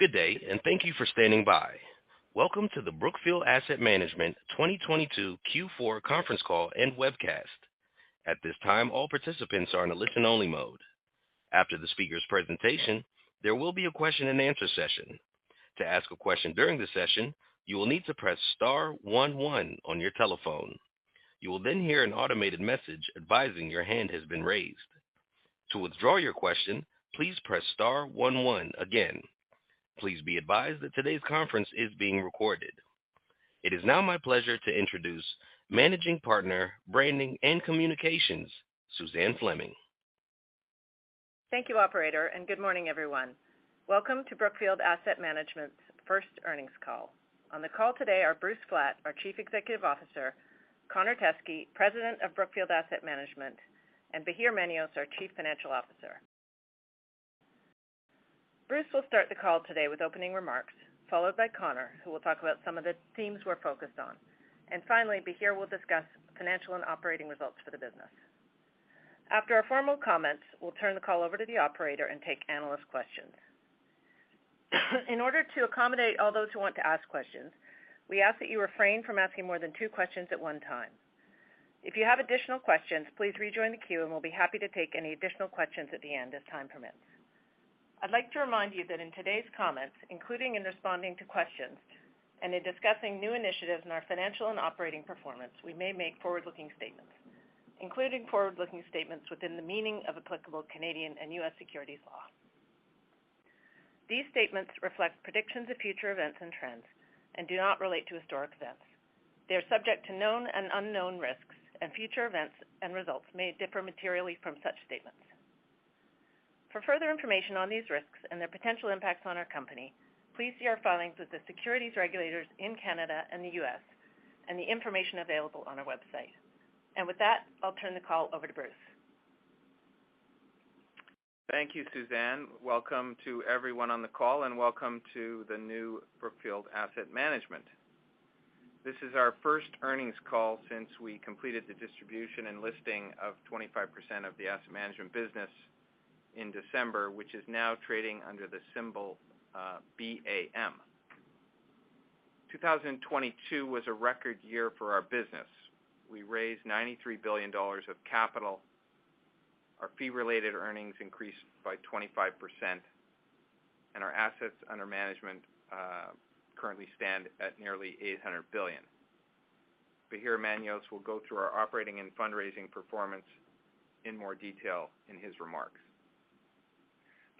Good day, and thank you for standing by. Welcome to the Brookfield Asset Management 2022 Q4 conference call and webcast. At this time, all participants are in a listen-only mode. After the speaker's presentation, there will be a question-and-answer session. To ask a question during the session, you will need to press star one one on your telephone. You will then hear an automated message advising your hand has been raised. To withdraw your question, please press star one one again. Please be advised that today's conference is being recorded. It is now my pleasure to introduce Managing Partner, Branding and Communications, Suzanne Fleming. Thank you, operator. Good morning, everyone. Welcome to Brookfield Asset Management's first earnings call. On the call today are Bruce Flatt, our Chief Executive Officer, Connor Teskey, President of Brookfield Asset Management, and Bahir Manios, our Chief Financial Officer. Bruce will start the call today with opening remarks, followed by Connor, who will talk about some of the themes we're focused on. Finally, Bahir will discuss financial and operating results for the business. After our formal comments, we'll turn the call over to the operator and take analyst questions. In order to accommodate all those who want to ask questions, we ask that you refrain from asking more than two questions at one time. If you have additional questions, please rejoin the queue, and we'll be happy to take any additional questions at the end as time permits. I'd like to remind you that in today's comments, including in responding to questions and in discussing new initiatives in our financial and operating performance, we may make forward-looking statements, including forward-looking statements within the meaning of applicable Canadian and U.S., securities law. These statements reflect predictions of future events and trends and do not relate to historic events. They are subject to known and unknown risks, and future events and results may differ materially from such statements. For further information on these risks and their potential impacts on our company, please see our filings with the securities regulators in Canada and the U.S., and the information available on our website. With that, I'll turn the call over to Bruce. Thank you, Suzanne. Welcome to everyone on the call, welcome to the new Brookfield Asset Management. This is our first earnings call since we completed the distribution and listing of 25% of the asset management business in December, which is now trading under the symbol, BAM. 2022 was a record year for our business. We raised $93 billion of capital. Our fee-related earnings increased by 25%, our assets under management currently stand at nearly $800 billion. Bahir Manios will go through our operating and fundraising performance in more detail in his remarks.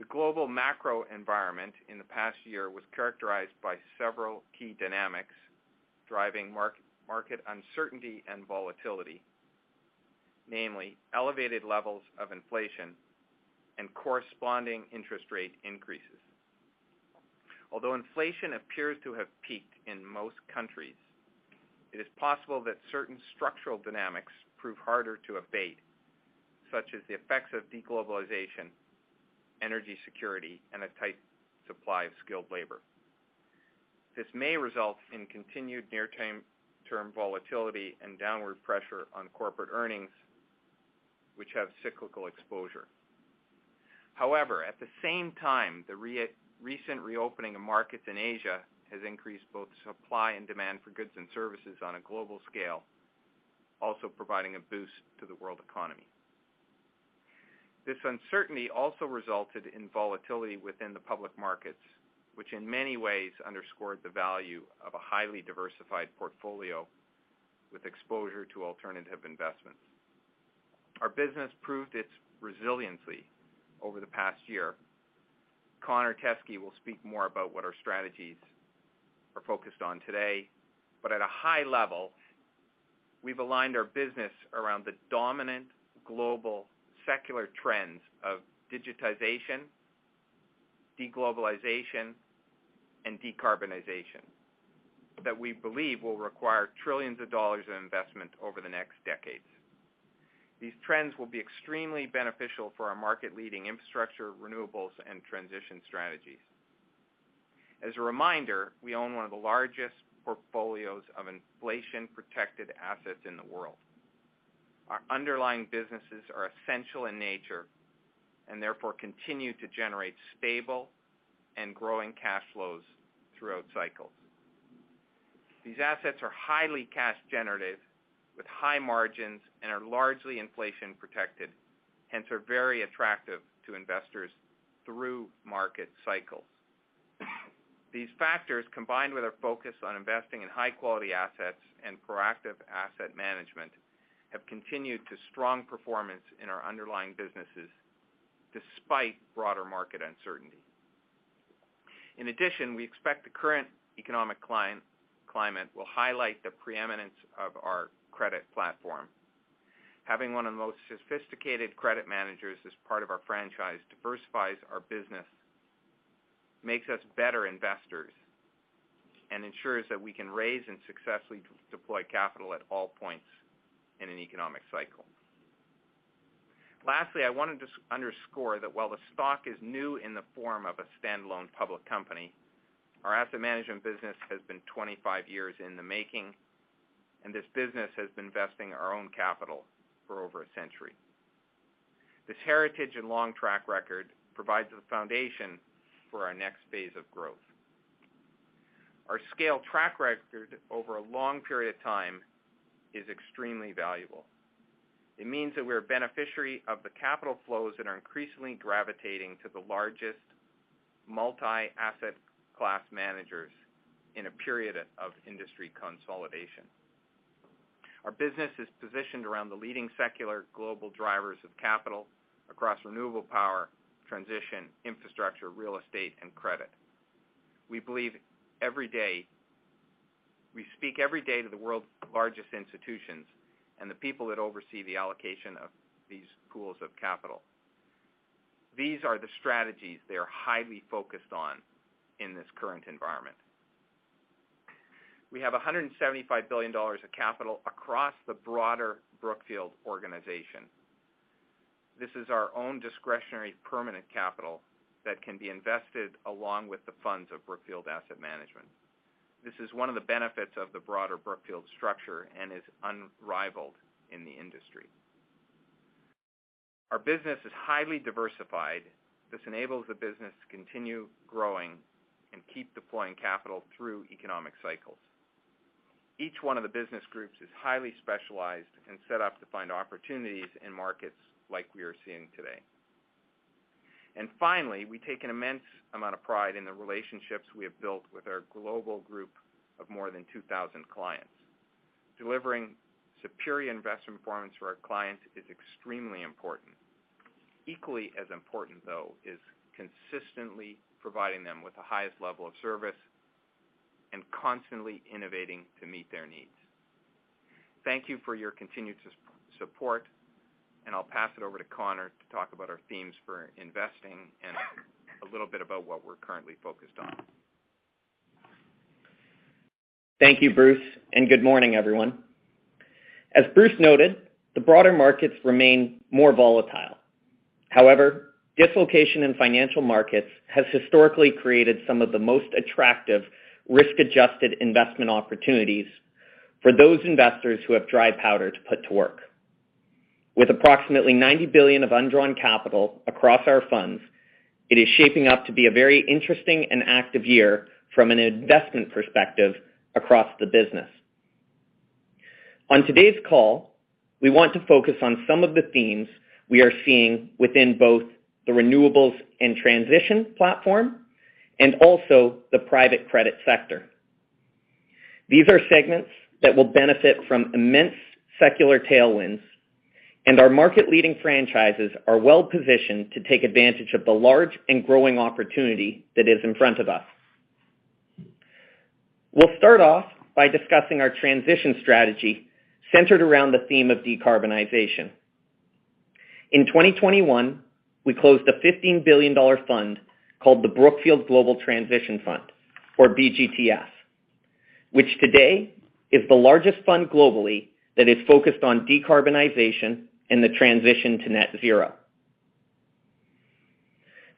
The global macro environment in the past year was characterized by several key dynamics driving market uncertainty and volatility, namely elevated levels of inflation and corresponding interest rate increases. Although inflation appears to have peaked in most countries, it is possible that certain structural dynamics prove harder to abate, such as the effects of de-globalization, energy security, and a tight supply of skilled labor. This may result in continued near-time, term volatility and downward pressure on corporate earnings, which have cyclical exposure. At the same time, the recent reopening of markets in Asia has increased both supply and demand for goods and services on a global scale, also providing a boost to the world economy. This uncertainty also resulted in volatility within the public markets, which in many ways underscored the value of a highly diversified portfolio with exposure to alternative investments. Our business proved its resiliency over the past year. Connor Teskey will speak more about what our strategies are focused on today. At a high level, we've aligned our business around the dominant global secular trends of digitization, de-globalization, and decarbonization that we believe will require trillions of dollars in investment over the next decades. These trends will be extremely beneficial for our market-leading infrastructure, renewables, and transition strategies. As a reminder, we own one of the largest portfolios of inflation-protected assets in the world. Our underlying businesses are essential in nature and therefore continue to generate stable and growing cash flows throughout cycles. These assets are highly cash generative with high margins and are largely inflation protected, hence are very attractive to investors through market cycles. These factors, combined with our focus on investing in high-quality assets and proactive asset management, have continued to strong performance in our underlying businesses despite broader market uncertainty. In addition, we expect the current economic climate will highlight the preeminence of our credit platform. Having one of the most sophisticated credit managers as part of our franchise diversifies our business, makes us better investors and ensures that we can raise and successfully deploy capital at all points in an economic cycle. Lastly, I wanted to underscore that while the stock is new in the form of a standalone public company, our asset management business has been 25 years in the making, and this business has been investing our own capital for over a century. This heritage and long track record provides the foundation for our next phase of growth. Our scale track record over a long period of time is extremely valuable. It means that we're a beneficiary of the capital flows that are increasingly gravitating to the largest multi-asset class managers in a period of industry consolidation. Our business is positioned around the leading secular global drivers of capital across renewable power, transition, infrastructure, real estate, and credit. We speak every day to the world's largest institutions and the people that oversee the allocation of these pools of capital. These are the strategies they are highly focused on in this current environment. We have $175 billion of capital across the broader Brookfield organization. This is our own discretionary permanent capital that can be invested along with the funds of Brookfield Asset Management. This is one of the benefits of the broader Brookfield structure and is unrivaled in the industry. Our business is highly diversified. This enables the business to continue growing and keep deploying capital through economic cycles. Each one of the business groups is highly specialized and set up to find opportunities in markets like we are seeing today. Finally, we take an immense amount of pride in the relationships we have built with our global group of more than 2,000 clients. Delivering superior investment performance for our clients is extremely important. Equally as important, though, is consistently providing them with the highest level of service and constantly innovating to meet their needs. Thank you for your continued support, and I'll pass it over to Connor to talk about our themes for investing and a little bit about what we're currently focused on. Thank you, Bruce, and good morning, everyone. As Bruce noted, the broader markets remain more volatile. However, dislocation in financial markets has historically created some of the most attractive risk-adjusted investment opportunities for those investors who have dry powder to put to work. With approximately $90 billion of undrawn capital across our funds, it is shaping up to be a very interesting and active year from an investment perspective across the business. On today's call, we want to focus on some of the themes we are seeing within both the renewables and transition platform and also the private credit sector. These are segments that will benefit from immense secular tailwinds, and our market-leading franchises are well-positioned to take advantage of the large and growing opportunity that is in front of us. We'll start off by discussing our transition strategy centered around the theme of decarbonization. In 2021, we closed a $15 billion fund called the Brookfield Global Transition Fund, or BGTF, which today is the largest fund globally that is focused on decarbonization and the transition to net zero.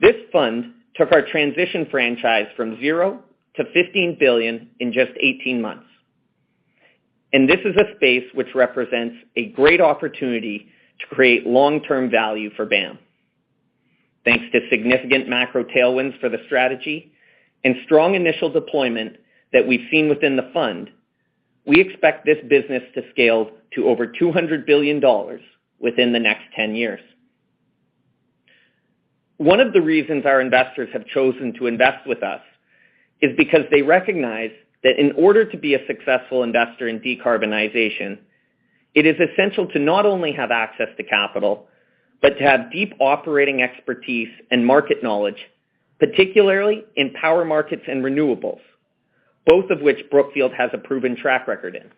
This fund took our transition franchise from zero to $15 billion in just 18 months. This is a space which represents a great opportunity to create long-term value for BAM. Thanks to significant macro tailwinds for the strategy and strong initial deployment that we've seen within the fund, we expect this business to scale to over $200 billion within the next 10 years. One of the reasons our investors have chosen to invest with us is because they recognize that in order to be a successful investor in decarbonization, it is essential to not only have access to capital, but to have deep operating expertise and market knowledge, particularly in power markets and renewables, both of which Brookfield has a proven track record in.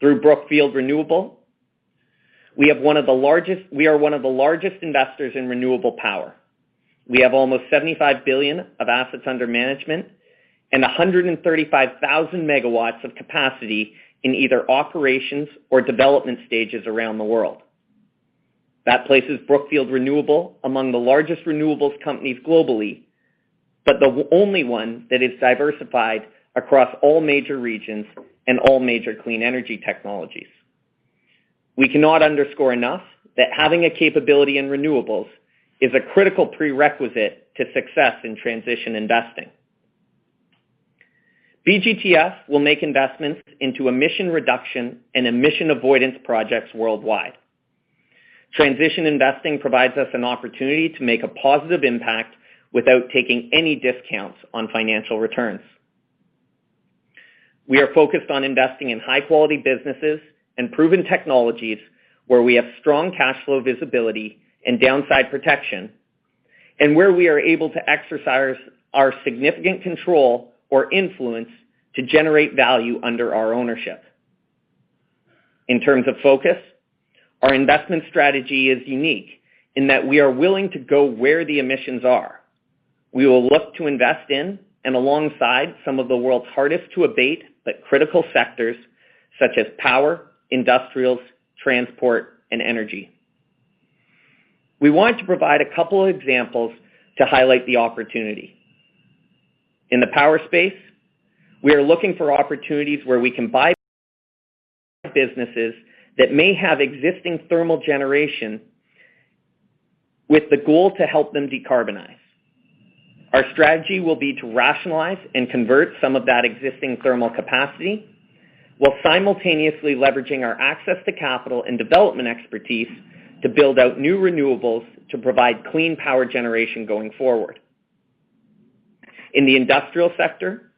Through Brookfield Renewable, we are one of the largest investors in renewable power. We have almost $75 billion of assets under management and 135,000 MW of capacity in either operations or development stages around the world. That places Brookfield Renewable among the largest renewables companies globally, but the only one that is diversified across all major regions and all major clean energy technologies. We cannot underscore enough that having a capability in renewables is a critical prerequisite to success in transition investing. BGTF will make investments into emission reduction and emission avoidance projects worldwide. Transition investing provides us an opportunity to make a positive impact without taking any discounts on financial returns. We are focused on investing in high quality businesses and proven technologies where we have strong cash flow visibility and downside protection and where we are able to exercise our significant control or influence to generate value under our ownership. In terms of focus, our investment strategy is unique in that we are willing to go where the emissions are. We will look to invest in and alongside some of the world's hardest to abate but critical sectors such as power, industrials, transport, and energy. We want to provide a couple of examples to highlight the opportunity. In the power space, we are looking for opportunities where we can buy businesses that may have existing thermal generation with the goal to help them decarbonize. Our strategy will be to rationalize and convert some of that existing thermal capacity while simultaneously leveraging our access to capital and development expertise to build out new renewables to provide clean power generation going forward. In the industrial sector,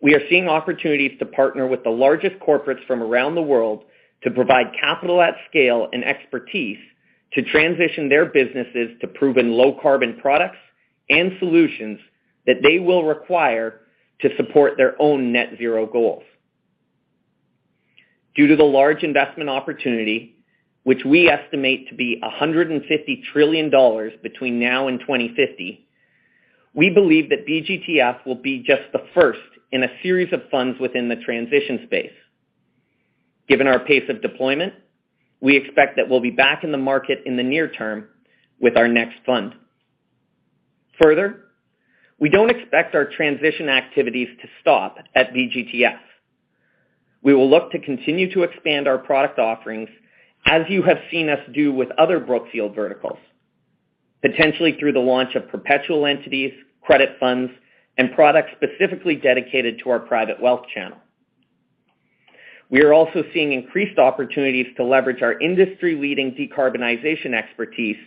we are seeing opportunities to partner with the largest corporates from around the world to provide capital at scale and expertise to transition their businesses to proven low carbon products and solutions that they will require to support their own net zero goals. Due to the large investment opportunity, which we estimate to be $100 trillion between now and 2050, we believe that BGTF will be just the first in a series of funds within the transition space. Given our pace of deployment, we expect that we'll be back in the market in the near term with our next fund. We don't expect our transition activities to stop at BGTF. We will look to continue to expand our product offerings as you have seen us do with other Brookfield verticals, potentially through the launch of perpetual entities, credit funds, and products specifically dedicated to our private wealth channel. We are also seeing increased opportunities to leverage our industry-leading decarbonization expertise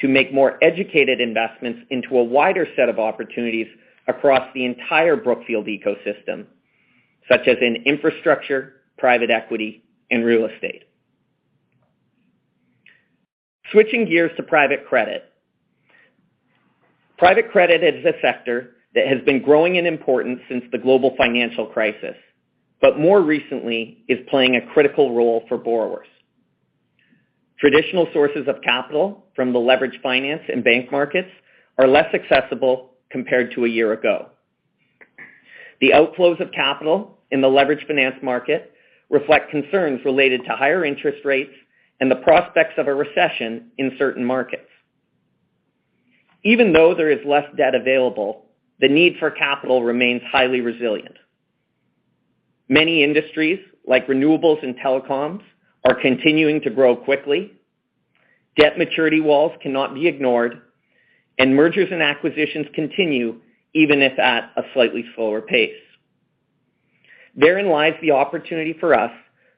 to make more educated investments into a wider set of opportunities across the entire Brookfield ecosystem, such as in infrastructure, private equity, and real estate. Switching gears to private credit. Private credit is a sector that has been growing in importance since the global financial crisis. More recently is playing a critical role for borrowers. Traditional sources of capital from the leveraged finance and bank markets are less accessible compared to a year ago. The outflows of capital in the leveraged finance market reflect concerns related to higher interest rates and the prospects of a recession in certain markets. Even though there is less debt available, the need for capital remains highly resilient. Many industries, like renewables and telecoms, are continuing to grow quickly. Debt maturity walls cannot be ignored. Mergers and acquisitions continue, even if at a slightly slower pace. Therein lies the opportunity for us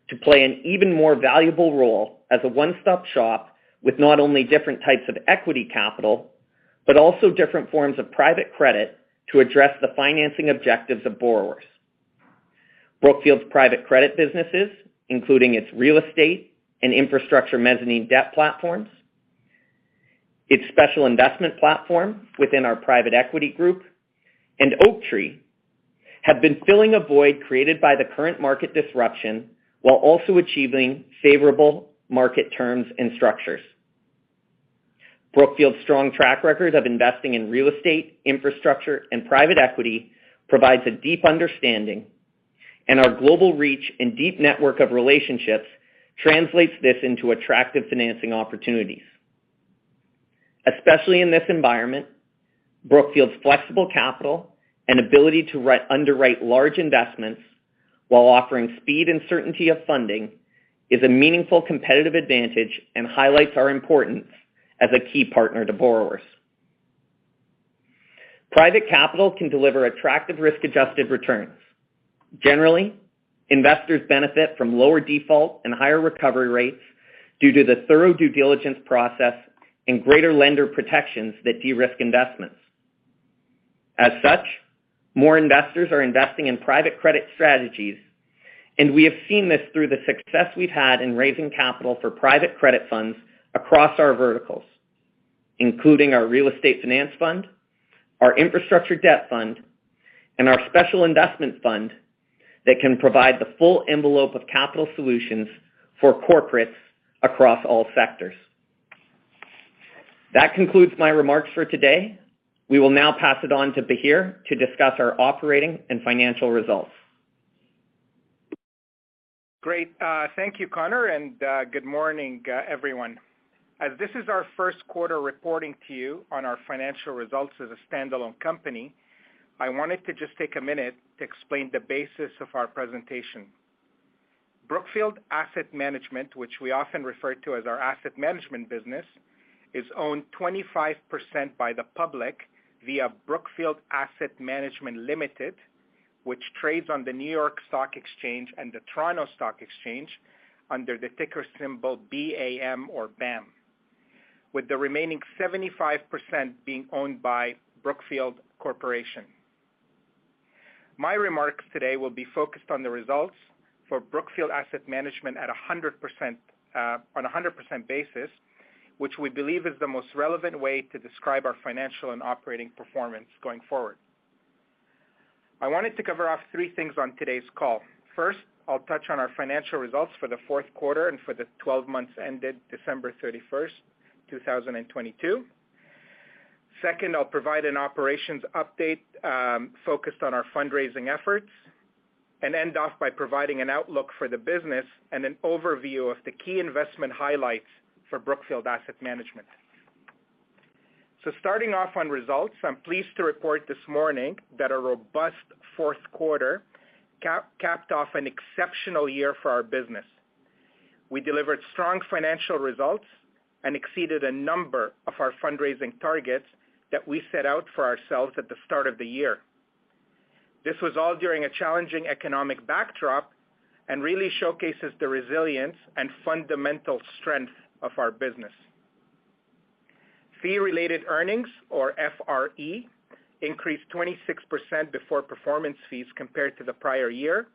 to play an even more valuable role as a one-stop shop with not only different types of equity capital, but also different forms of private credit to address the financing objectives of borrowers. Brookfield's private credit businesses, including its real estate and infrastructure mezzanine debt platforms, its special investment platform within our private equity group, and Oaktree, have been filling a void created by the current market disruption while also achieving favorable market terms and structures. Brookfield's strong track record of investing in real estate, infrastructure, and private equity provides a deep understanding, and our global reach and deep network of relationships translates this into attractive financing opportunities. Especially in this environment, Brookfield's flexible capital and ability to underwrite large investments while offering speed and certainty of funding is a meaningful competitive advantage and highlights our importance as a key partner to borrowers. Private capital can deliver attractive risk-adjusted returns. Generally, investors benefit from lower default and higher recovery rates due to the thorough due diligence process and greater lender protections that de-risk investments. We have seen this through the success we've had in raising capital for private credit funds across our verticals, including our real estate finance fund, our infrastructure debt fund, and our special investment fund that can provide the full envelope of capital solutions for corporates across all sectors. That concludes my remarks for today. We will now pass it on to Bahir to discuss our operating and financial results. Great. Thank you, Connor, and good morning, everyone. As this is our first quarter reporting to you on our financial results as a standalone company, I wanted to just take a minute to explain the basis of our presentation. Brookfield Asset Management, which we often refer to as our asset management business, is owned 25% by the public via Brookfield Asset Management Limited, which trades on the New York Stock Exchange and the Toronto Stock Exchange under the ticker symbol BAM or BAM, with the remaining 75% being owned by Brookfield Corporation. My remarks today will be focused on the results for Brookfield Asset Management at 100%, on a 100% basis, which we believe is the most relevant way to describe our financial and operating performance going forward. I wanted to cover off three things on today's call. First, I'll touch on our financial results for the fourth quarter and for the 12 months ended December 31st, 2022. Second, I'll provide an operations update, focused on our fundraising efforts. End off by providing an outlook for the business and an overview of the key investment highlights for Brookfield Asset Management. Starting off on results, I'm pleased to report this morning that a robust fourth quarter capped off an exceptional year for our business. We delivered strong financial results and exceeded a number of our fundraising targets that we set out for ourselves at the start of the year. This was all during a challenging economic backdrop and really showcases the resilience and fundamental strength of our business. Fee-related earnings or FRE increased 26% before performance fees compared to the prior year,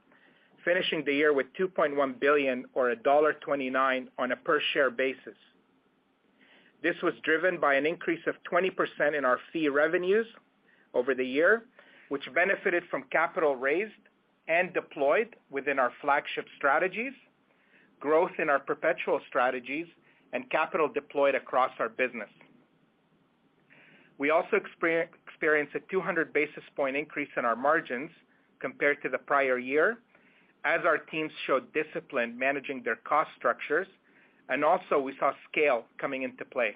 finishing the year with $2.1 billion or $1.29 on a per share basis. This was driven by an increase of 20% in our fee revenues over the year, which benefited from capital raised and deployed within our flagship strategies, growth in our perpetual strategies, and capital deployed across our business. We also experience a 200 basis point increase in our margins compared to the prior year as our teams showed discipline managing their cost structures. Also, we saw scale coming into play.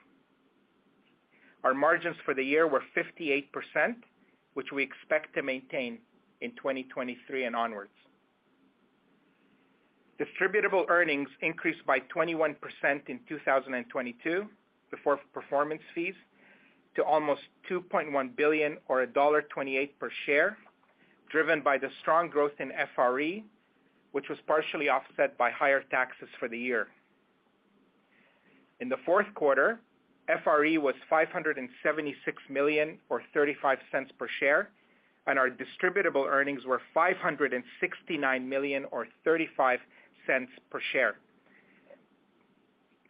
Our margins for the year were 58%, which we expect to maintain in 2023 and onwards. Distributable earnings increased by 21% in 2022 before performance fees to almost $2.1 billion or $1.28 per share, driven by the strong growth in FRE, which was partially offset by higher taxes for the year. In the fourth quarter, FRE was $576 million or $0.35 per share, and our distributable earnings were $569 million or $0.35 per share.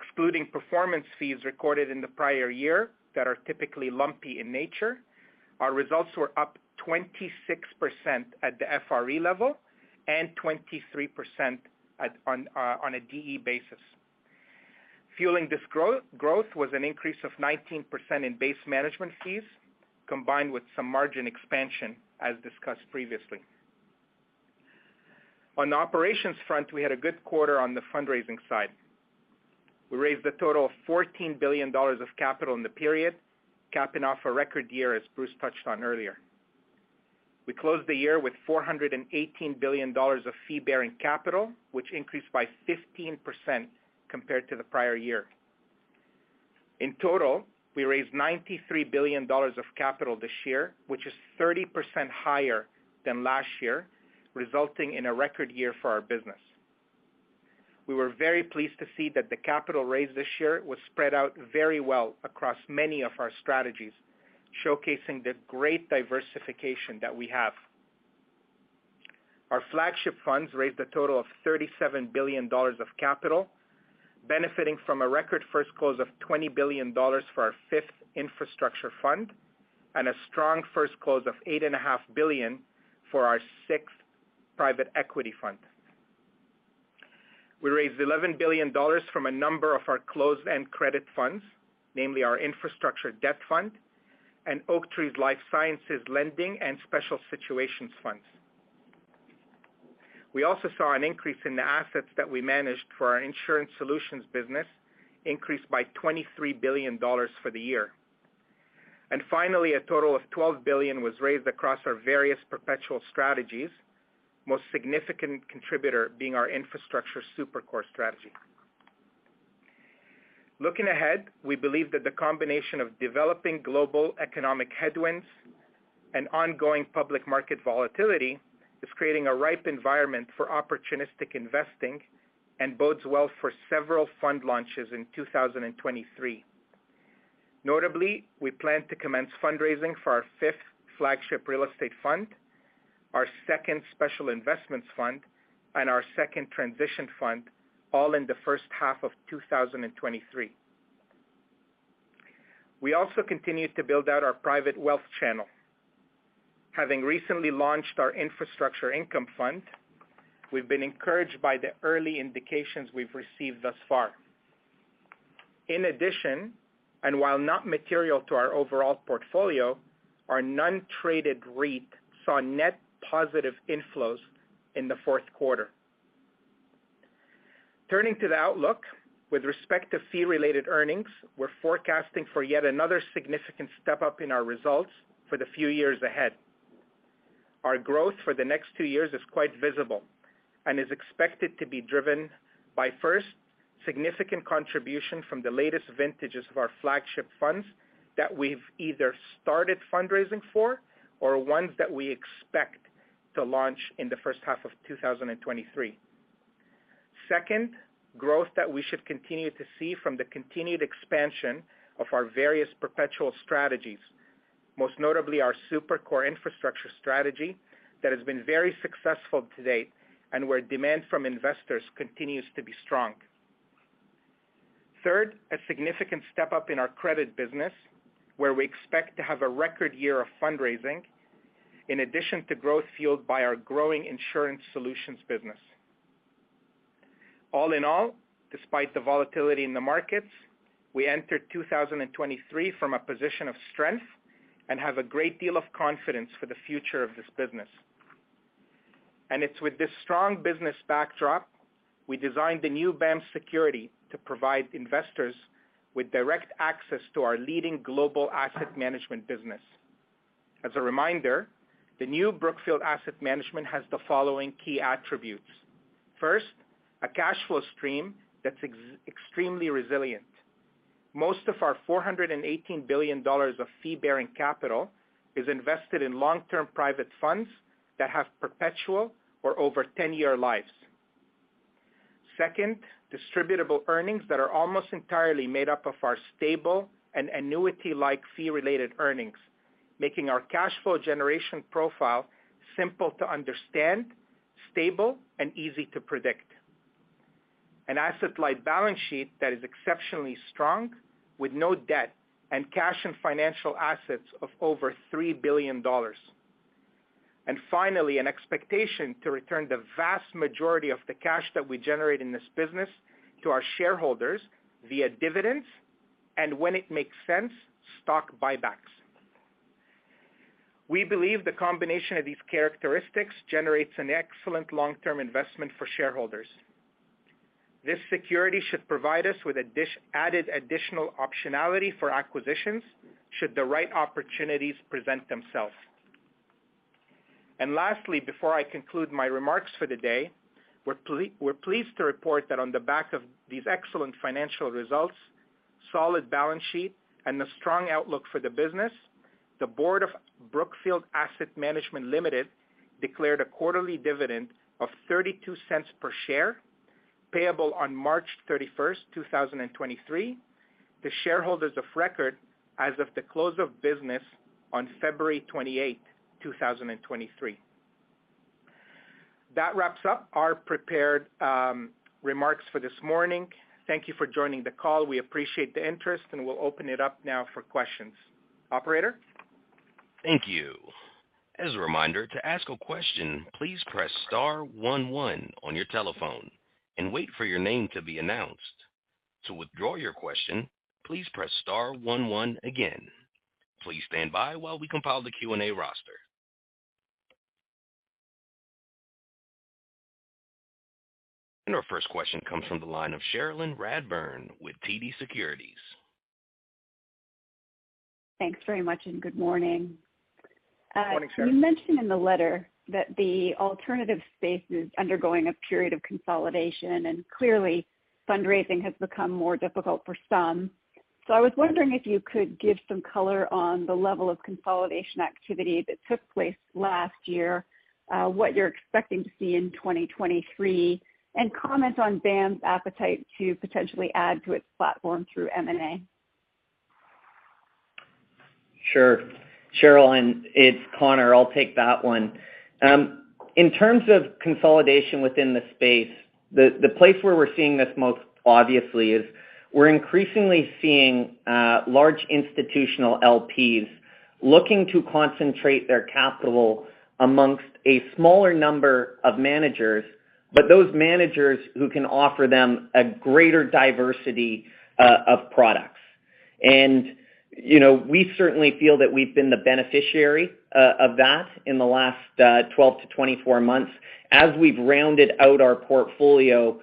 Excluding performance fees recorded in the prior year that are typically lumpy in nature, our results were up 26% at the FRE level and 23% at, on a DE basis. Fueling this growth was an increase of 19% in base management fees, combined with some margin expansion, as discussed previously. On the operations front, we had a good quarter on the fundraising side. We raised a total of $14 billion of capital in the period, capping off a record year, as Bruce touched on earlier. We closed the year with $418 billion of fee-bearing capital, which increased by 15% compared to the prior year. In total, we raised $93 billion of capital this year, which is 30% higher than last year, resulting in a record year for our business. We were very pleased to see that the capital raised this year was spread out very well across many of our strategies, showcasing the great diversification that we have. Our flagship funds raised a total of $37 billion of capital, benefiting from a record first close of $20 billion for our fifth infrastructure fund and a strong first close of $8.5 billion for our sixth private equity fund. We raised $11 billion from a number of our closed-end credit funds, namely our infrastructure debt fund and Oaktree's life sciences lending and special situations funds. We also saw an increase in the assets that we managed for our Insurance Solutions business increased by $23 billion for the year. Finally, a total of $12 billion was raised across our various perpetual strategies, most significant contributor being our infrastructure Super-Core strategy. Looking ahead, we believe that the combination of developing global economic headwinds and ongoing public market volatility is creating a ripe environment for opportunistic investing and bodes well for several fund launches in 2023. Notably, we plan to commence fundraising for our fifth flagship real estate fund, our second special investments fund, and our second transition fund, all in the first half of 2023. We also continue to build out our private wealth channel. Having recently launched our infrastructure income fund, we've been encouraged by the early indications we've received thus far. In addition, and while not material to our overall portfolio, our non-traded REIT saw net positive inflows in the Q4. Turning to the outlook, with respect to fee-related earnings, we're forecasting for yet another significant step-up in our results for the few years ahead. Our growth for the next two years is quite visible and is expected to be driven by, first, significant contribution from the latest vintages of our flagship funds that we've either started fundraising for or ones that we expect to launch in the first half of 2023. Second, growth that we should continue to see from the continued expansion of our various perpetual strategies, most notably our Super-Core Infrastructure strategy that has been very successful to date and where demand from investors continues to be strong. Third, a significant step up in our credit business, where we expect to have a record year of fundraising in addition to growth fueled by our growing Insurance Solutions business. All in all, despite the volatility in the markets, we enter 2023 from a position of strength and have a great deal of confidence for the future of this business. It's with this strong business backdrop, we designed the new BAM security to provide investors with direct access to our leading global Asset Management business. As a reminder, the new Brookfield Asset Management has the following key attributes. First, a cash flow stream that's extremely resilient. Most of our $418 billion of fee-bearing capital is invested in long-term private funds that have perpetual or over 10-year lives. Second, distributable earnings that are almost entirely made up of our stable and annuity-like fee-related earnings, making our cash flow generation profile simple to understand, stable, and easy to predict. An asset-light balance sheet that is exceptionally strong with no debt and cash and financial assets of over $3 billion. Finally, an expectation to return the vast majority of the cash that we generate in this business to our shareholders via dividends, and when it makes sense, stock buybacks. We believe the combination of these characteristics generates an excellent long-term investment for shareholders. This security should provide us with additional optionality for acquisitions should the right opportunities present themselves. Lastly, before I conclude my remarks for the day, we're pleased to report that on the back of these excellent financial results, solid balance sheet, and the strong outlook for the business, the Board of Brookfield Asset Management Ltd. declared a quarterly dividend of $0.32 per share, payable on March 31st, 2023 to shareholders of record as of the close of business on February 28, 2023. That wraps up our prepared remarks for this morning. Thank you for joining the call. We appreciate the interest, and we'll open it up now for questions. Operator? Thank you. As a reminder, to ask a question, please press star one one on your telephone and wait for your name to be announced. To withdraw your question, please press star one one again. Please stand by while we compile the Q&A roster. Our first question comes from the line of Cherilyn Radbourne with TD Securities. Thanks very much, and good morning. Good morning, Cherilyn. You mentioned in the letter that the alternative space is undergoing a period of consolidation, and clearly fundraising has become more difficult for some. I was wondering if you could give some color on the level of consolidation activity that took place last year, what you're expecting to see in 2023, and comment on BAM's appetite to potentially add to its platform through M&A. Sure. Cherilyn, it's Connor. I'll take that one. In terms of consolidation within the space, the place where we're seeing this most obviously is we're increasingly seeing large institutional LPs looking to concentrate their capital amongst a smaller number of managers, but those managers who can offer them a greater diversity of products. We certainly feel that we've been the beneficiary of that in the last 12-24 months as we've rounded out our portfolio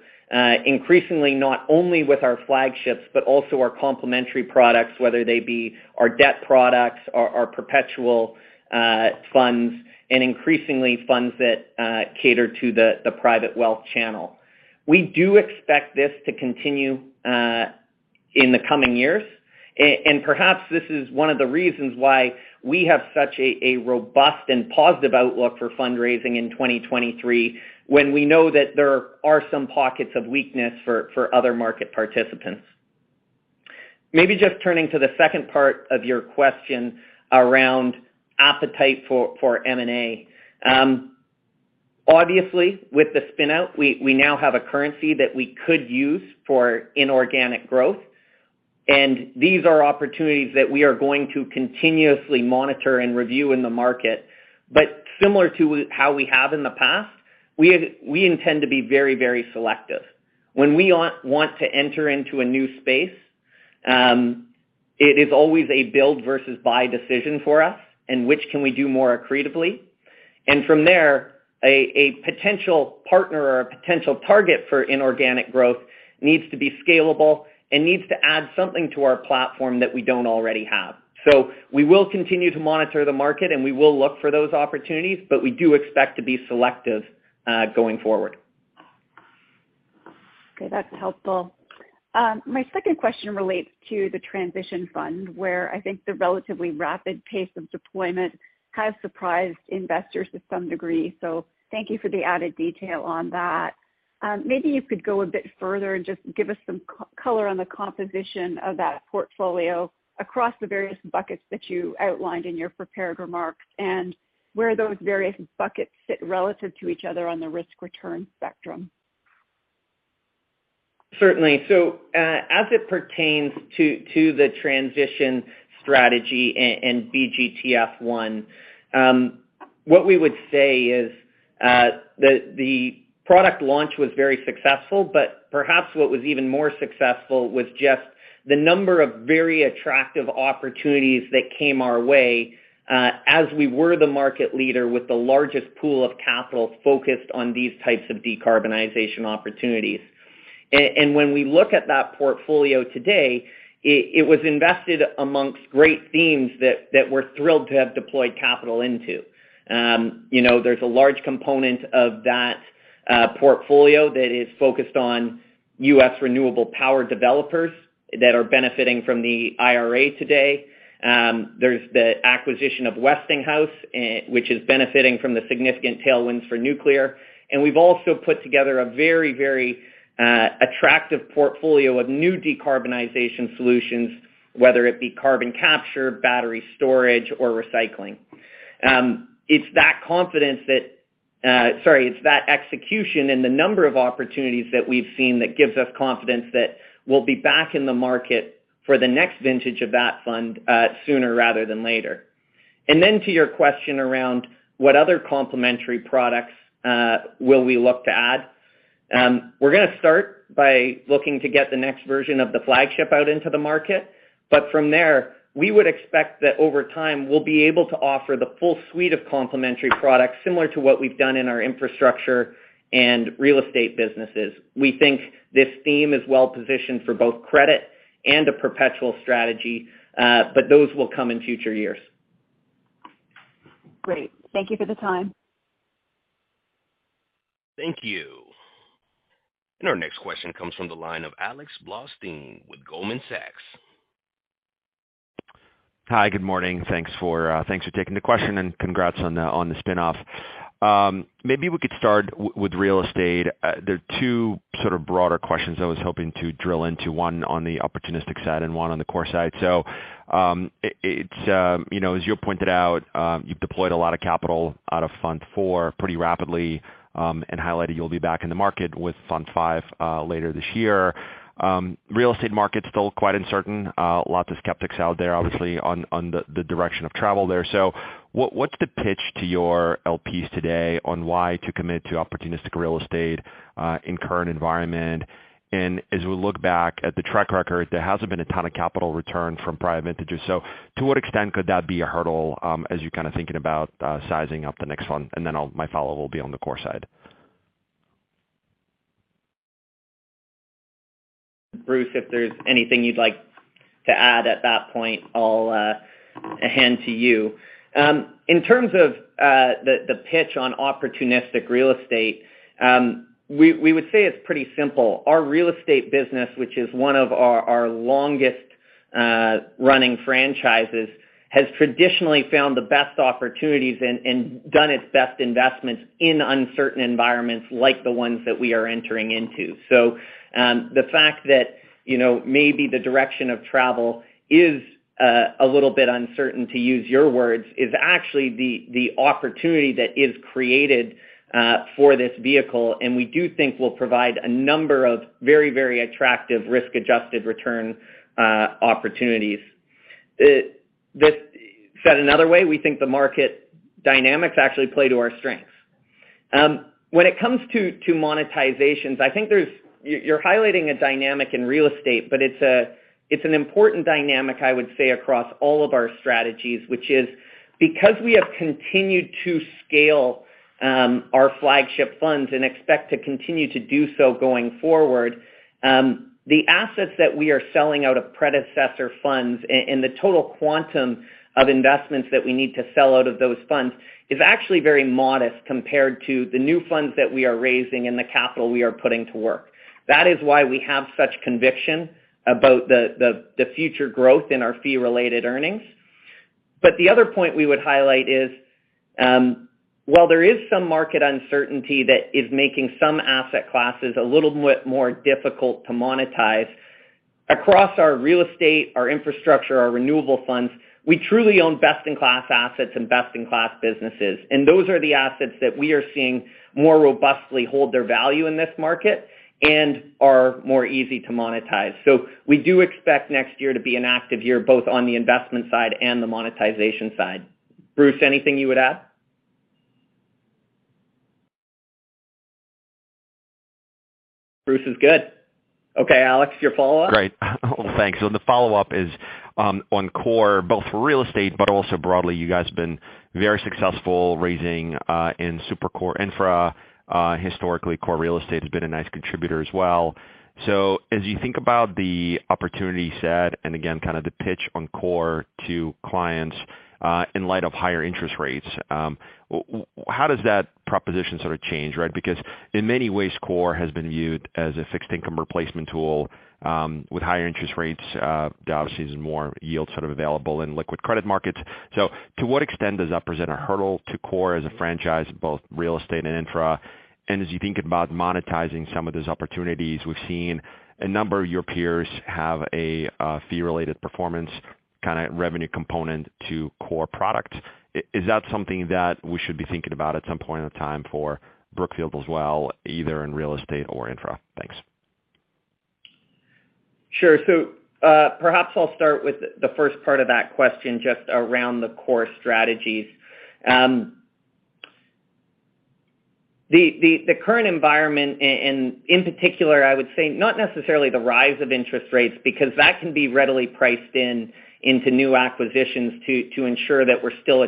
increasingly not only with our flagships but also our complementary products, whether they be our debt products, our perpetual funds, and increasingly funds that cater to the private wealth channel. We do expect this to continue in the coming years and perhaps this is one of the reasons why we have such a robust and positive outlook for fundraising in 2023 when we know that there are some pockets of weakness for other market participants. Maybe just turning to the second part of your question around appetite for M&A. Obviously, with the spin-out, we now have a currency that we could use for inorganic growth, and these are opportunities that we are going to continuously monitor and review in the market. Similar to how we have in the past, we intend to be very, very selective. When we want to enter into a new space, it is always a build versus buy decision for us and which can we do more accretively. From there, a potential partner or a potential target for inorganic growth needs to be scalable and needs to add something to our platform that we don't already have. We will continue to monitor the market and we will look for those opportunities, but we do expect to be selective, going forward. Okay, that's helpful. My second question relates to the Transition Fund, where I think the relatively rapid pace of deployment has surprised investors to some degree. Thank you for the added detail on that. Maybe you could go a bit further and just give us some color on the composition of that portfolio across the various buckets that you outlined in your prepared remarks and where those various buckets sit relative to each other on the risk-return spectrum? Certainly. as it pertains to the transition strategy and BGTF I, what we would say is, the product launch was very successful, but perhaps what was even more successful was just the number of very attractive opportunities that came our way, as we were the market leader with the largest pool of capital focused on these types of decarbonization opportunities. And when we look at that portfolio today, it was invested amongst great themes that we're thrilled to have deployed capital into. There's a large component of that portfolio that is focused on U.S., renewable power developers that are benefiting from the IRA today. there's the acquisition of Westinghouse, which is benefiting from the significant tailwinds for nuclear. We've also put together a very, very attractive portfolio of new decarbonization solutions, whether it be carbon capture, battery storage or recycling. It's that confidence that sorry, it's that execution and the number of opportunities that we've seen that gives us confidence that we'll be back in the market for the next vintage of that fund sooner rather than later. Then to your question around what other complementary products will we look to add. We're gonna start by looking to get the next version of the flagship out into the market. From there, we would expect that over time we'll be able to offer the full suite of complementary products similar to what we've done in our infrastructure and real estate businesses. We think this theme is well-positioned for both credit and a perpetual strategy. Those will come in future years. Great. Thank you for the time. Thank you. Our next question comes from the line of Alex Blostein with Goldman Sachs. Hi. Good morning. Thanks for taking the question, and congrats on the spin-off. Maybe we could start with real estate. There are two sort of broader questions I was hoping to drill into, one on the opportunistic side and one on the core side. It's, as you pointed out, you've deployed a lot of capital out of Fund IV pretty rapidly, and highlighted you'll be back in the market with Fund V later this year. Real estate market's still quite uncertain. Lots of skeptics out there obviously on the direction of travel there. What's the pitch to your LPs today on why to commit to opportunistic real estate in current environment? As we look back at the track record, there hasn't been a ton of capital return from private vintages. To what extent could that be a hurdle, as you're kind of thinking about sizing up the next fund? My follow-up will be on the core side. Bruce, if there's anything you'd like to add at that point, I'll hand to you. In terms of the pitch on opportunistic real estate, we would say it's pretty simple. Our real estate business, which is one of our longest running franchises, has traditionally found the best opportunities and done its best investments in uncertain environments like the ones that we are entering into. The fact that maybe the direction of travel is a little bit uncertain, to use your words, is actually the opportunity that is created for this vehicle, and we do think will provide a number of very attractive risk-adjusted return opportunities. Said another way, we think the market dynamics actually play to our strengths. When it comes to monetizations, You're highlighting a dynamic in real estate, but it's an important dynamic, I would say, across all of our strategies, which is, because we have continued to scale our flagship funds and expect to continue to do so going forward, the assets that we are selling out of predecessor funds and the total quantum of investments that we need to sell out of those funds is actually very modest compared to the new funds that we are raising and the capital we are putting to work. That is why we have such conviction about the future growth in our fee-related earnings. The other point we would highlight is, while there is some market uncertainty that is making some asset classes a little bit more difficult to monetize, across our real estate, our infrastructure, our renewable funds, we truly own best-in-class assets and best-in-class businesses. Those are the assets that we are seeing more robustly hold their value in this market and are more easy to monetize. We do expect next year to be an active year, both on the investment side and the monetization side. Bruce, anything you would add? Bruce is good. Okay, Alex, your follow-up? Great. Well, thanks. The follow-up is on core, both real estate but also broadly, you guys have been very successful raising in Super-Core infra. Historically, core real estate has been a nice contributor as well. As you think about the opportunity set, and again, kinda the pitch on core to clients, in light of higher interest rates, how does that proposition sort of change, right? Because in many ways, core has been viewed as a fixed income replacement tool, with higher interest rates, obviously there's more yield sort of available in liquid credit markets. To what extent does that present a hurdle to core as a franchise, both real estate and infra? As you think about monetizing some of those opportunities, we've seen a number of your peers have a fee-related performance kind of revenue component to core products. Is that something that we should be thinking about at some point in time for Brookfield as well, either in real estate or infra? Thanks. Sure. Perhaps I'll start with the first part of that question just around the core strategies. The current environment in particular, I would say not necessarily the rise of interest rates, because that can be readily priced in into new acquisitions to ensure that we're still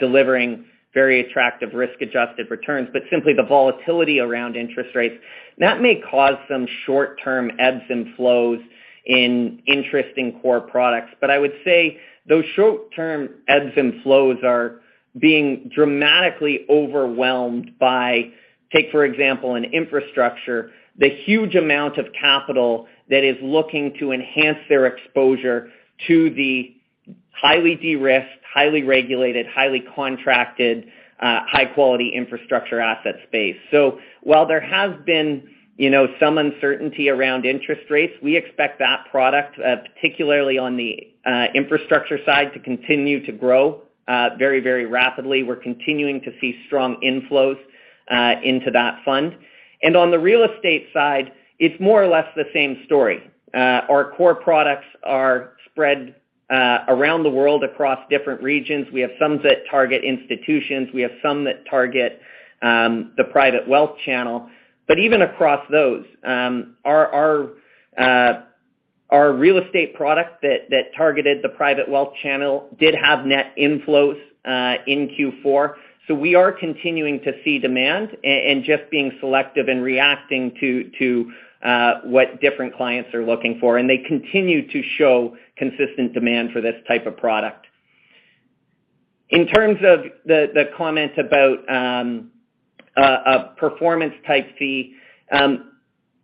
delivering very attractive risk-adjusted returns, but simply the volatility around interest rates. That may cause some short-term ebbs and flows in interesting core products. I would say those short-term ebbs and flows are being dramatically overwhelmed by, take for example, in infrastructure, the huge amount of capital that is looking to enhance their exposure to the highly de-risked, highly regulated, highly contracted, high-quality infrastructure asset space. While there has been some uncertainty around interest rates, we expect that product, particularly on the infrastructure side, to continue to grow very, very rapidly. We're continuing to see strong inflows into that fund. On the real estate side, it's more or less the same story. Our core products are spread around the world across different regions. We have some that target institutions, we have some that target the private wealth channel. Even across those, our real estate product that targeted the private wealth channel did have net inflows in Q4. We are continuing to see demand and just being selective and reacting to what different clients are looking for. They continue to show consistent demand for this type of product. In terms of the comments about a performance-type fee,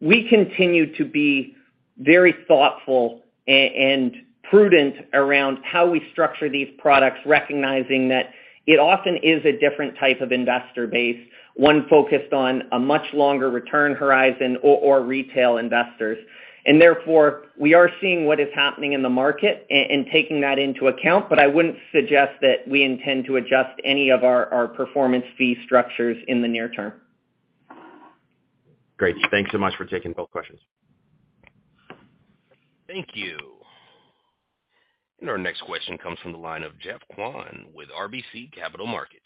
we continue to be very thoughtful and prudent around how we structure these products, recognizing that it often is a different type of investor base, one focused on a much longer return horizon or retail investors. Therefore, we are seeing what is happening in the market and taking that into account, but I wouldn't suggest that we intend to adjust any of our performance fee structures in the near term. Great. Thanks so much for taking both questions. Thank you. Our next question comes from the line of Geoff Kwan with RBC Capital Markets.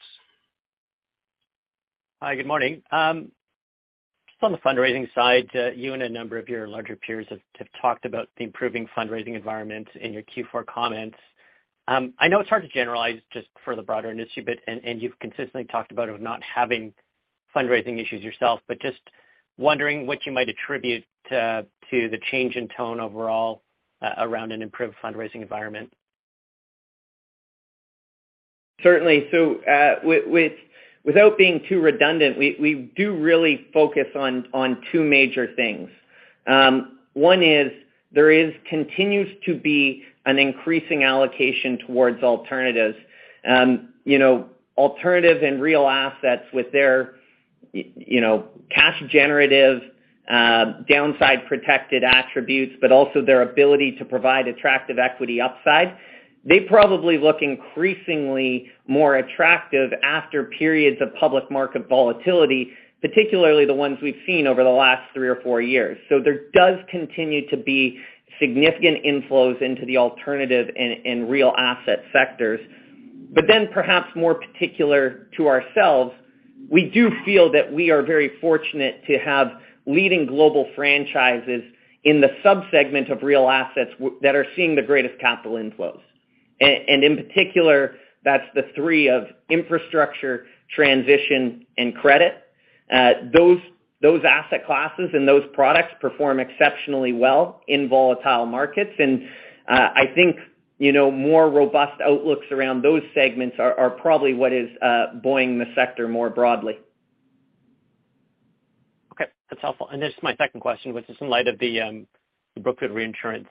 Hi, good morning. Just on the fundraising side, you and a number of your larger peers have talked about the improving fundraising environment in your Q4 comments. I know it's hard to generalize just for the broader industry and you've consistently talked about it not having fundraising issues yourself, but just wondering what you might attribute to the change in tone overall around an improved fundraising environment. Certainly. Without being too redundant, we do really focus on two major things. One is there is continues to be an increasing allocation towards alternatives. Alternative and real assets with their cash generative, downside protected attributes, but also their ability to provide attractive equity upside. They probably look increasingly more attractive after periods of public market volatility, particularly the ones we've seen over the last three or four years. There does continue to be significant inflows into the alternative and real asset sectors. Perhaps more particular to ourselves, we do feel that we are very fortunate to have leading global franchises in the sub-segment of real assets that are seeing the greatest capital inflows. And in particular, that's the three of infrastructure, transition and credit. Those asset classes and those products perform exceptionally well in volatile markets. I think more robust outlooks around those segments are probably what is buoying the sector more broadly. Okay, that's helpful. This is my second question, which is in light of the Brookfield Reinsurance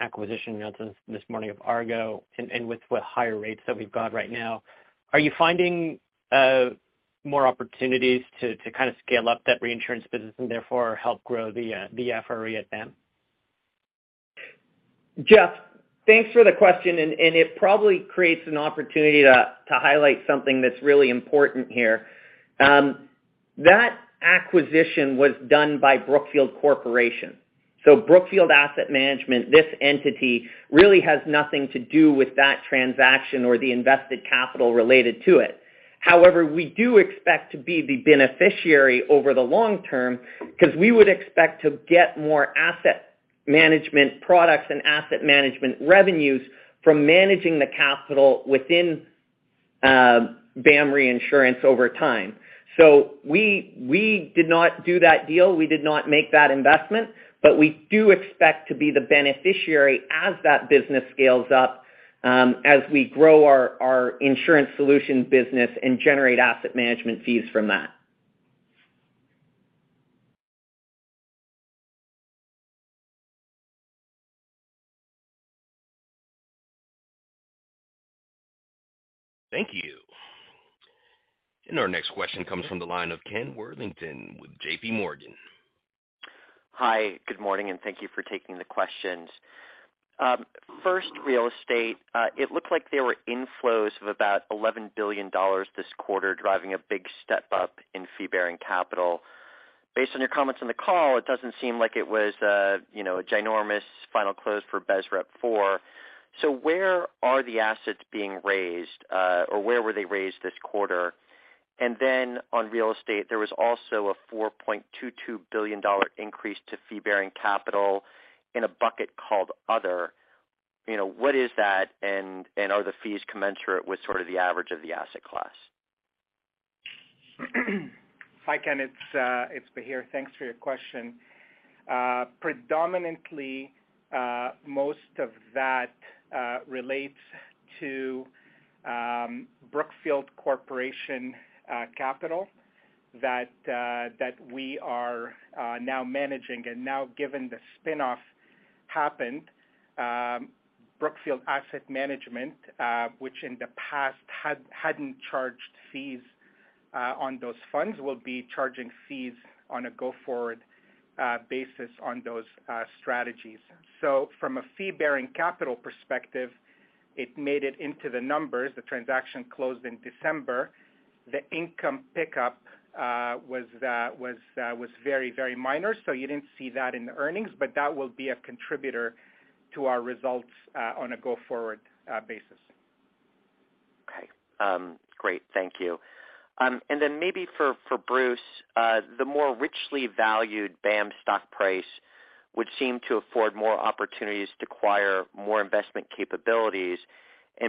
acquisition this morning of Argo and with what higher rates that we've got right now, are you finding more opportunities to kind of scale up that reinsurance business and therefore help grow the FRE at them? Jeff, thanks for the question, and it probably creates an opportunity to highlight something that's really important here. That acquisition was done by Brookfield Corporation. Brookfield Asset Management, this entity, really has nothing to do with that transaction or the invested capital related to it. However, we do expect to be the beneficiary over the long term because we would expect to get more asset management products and asset management revenues from managing the capital within BAM Reinsurance over time. We did not do that deal. We did not make that investment. We do expect to be the beneficiary as that business scales up as we grow our insurance solution business and generate asset management fees from that. Thank you. Our next question comes from the line of Ken Worthington with JP Morgan. Hi, good morning, and thank you for taking the questions. First, real estate. It looked like there were inflows of about $11 billion this quarter, driving a big step up in fee-bearing capital. Based on your comments on the call, it doesn't seem like it was a ginormous final close for BSREP IV. Where are the assets being raised, or where were they raised this quarter? On real estate, there was also a $4.22 billion increase to fee-bearing capital in a bucket called other. What is that? Are the fees commensurate with sort of the average of the asset class? Hi, Ken, it's Bahir. Thanks for your question. Predominantly, most of that relates to Brookfield Corporation Capital that we are now managing. Now given the spin-off happened, Brookfield Asset Management, which in the past hadn't charged fees on those funds will be charging fees on a go-forward basis on those strategies. From a fee-bearing capital perspective, it made it into the numbers. The transaction closed in December. The income pickup was very, very minor, so you didn't see that in the earnings, but that will be a contributor to our results on a go-forward basis. Great. Thank you. Then maybe for Bruce, the more richly valued BAM stock price would seem to afford more opportunities to acquire more investment capabilities.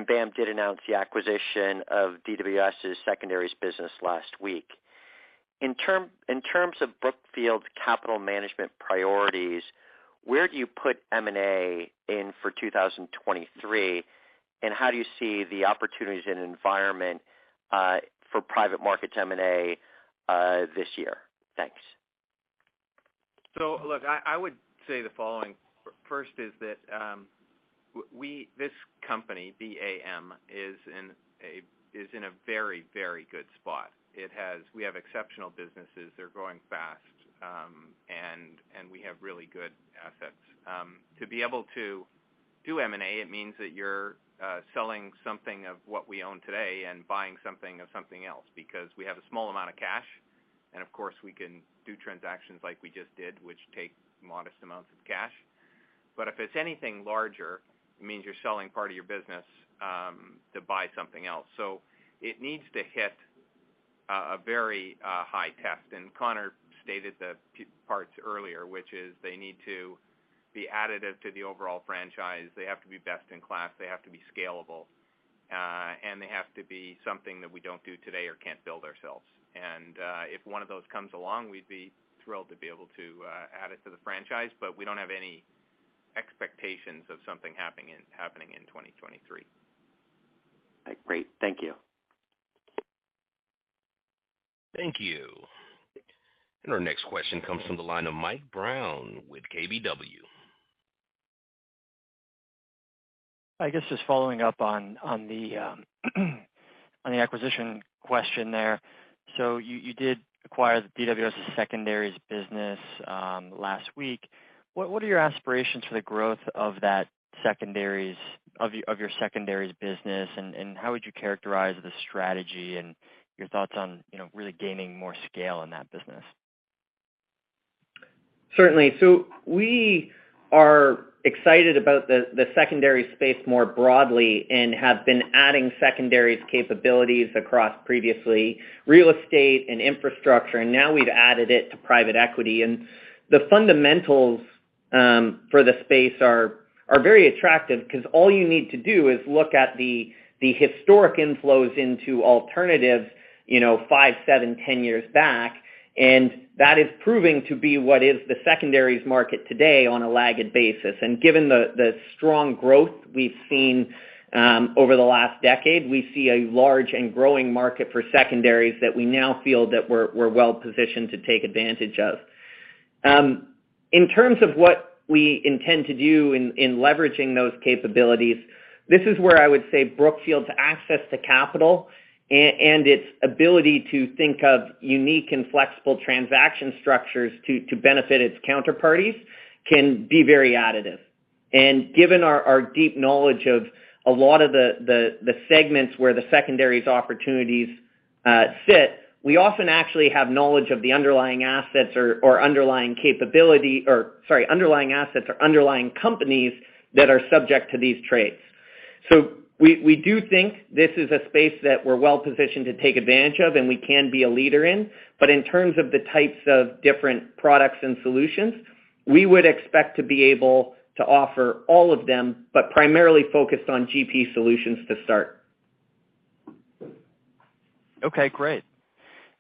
BAM did announce the acquisition of DWS' secondaries business last week. In terms of Brookfield's capital management priorities, where do you put M&A in for 2023? How do you see the opportunities in environment for private markets M&A this year? Thanks. Look, I would say the following. First is that this company, BAM, is in a very, very good spot. We have exceptional businesses. They're growing fast, and we have really good assets. To be able to do M&A, it means that you're selling something of what we own today and buying something of something else because we have a small amount of cash, and of course, we can do transactions like we just did, which take modest amounts of cash. If it's anything larger, it means you're selling part of your business to buy something else. It needs to hit a very high test. Connor stated the parts earlier, which is they need to be additive to the overall franchise. They have to be best in class, they have to be scalable, and they have to be something that we don't do today or can't build ourselves. If one of those comes along, we'd be thrilled to be able to add it to the franchise, but we don't have any expectations of something happening in 2023. Great. Thank you. Thank you. Our next question comes from the line of Mike Brown with KBW. I guess just following up on the acquisition question there. You did acquire DWS' secondaries business last week. What are your aspirations for the growth of that secondaries business? And how would you characterize the strategy and your thoughts on really gaining more scale in that business? Certainly. We are excited about the secondaries space more broadly and have been adding secondaries capabilities across previously real estate and infrastructure, and now we've added it to private equity. The fundamentals for the space are very attractive because all you need to do is look at the historic inflows into alternatives, five, seven, 10 years back, and that is proving to be what is the secondaries market today on a laggard basis. Given the strong growth we've seen over the last decade, we see a large and growing market for secondaries that we now feel that we're well positioned to take advantage of. In terms of what we intend to do in leveraging those capabilities, this is where I would say Brookfield's access to capital and its ability to think of unique and flexible transaction structures to benefit its counterparties can be very additive. Given our deep knowledge of a lot of the, the segments where the secondaries opportunities sit, we often actually have knowledge of the underlying assets or underlying companies that are subject to these trades. We do think this is a space that we're well positioned to take advantage of and we can be a leader in. In terms of the types of different products and solutions, we would expect to be able to offer all of them, but primarily focused on GP solutions to start. Okay, great.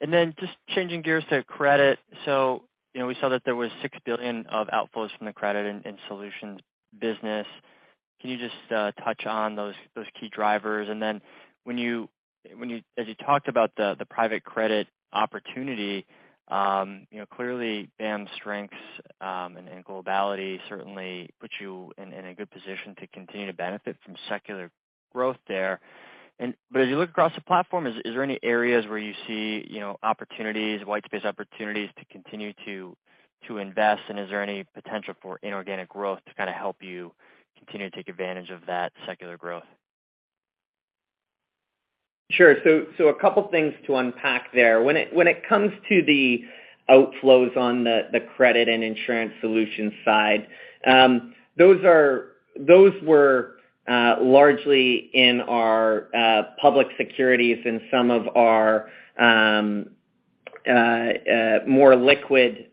Just changing gears to credit. We saw that there was $6 billion of outflows from the credit and solutions business. Can you just touch on those key drivers? As you talked about the private credit opportunity, clearly BAM's strengths and globality certainly put you in a good position to continue to benefit from secular growth there. As you look across the platform, is there any areas where you see opportunities, white space opportunities to continue to invest? Is there any potential for inorganic growth to kind of help you continue to take advantage of that secular growth? Sure. A couple things to unpack there. When it comes to the outflows on the credit and Insurance Solutions side, those were largely in our public securities and some of our more liquid